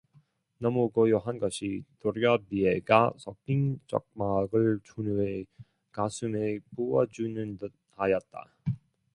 너무 고요한 것이 도리어 비애가 섞인 적막을 춘우의 가슴에 부어 주는듯 하였다.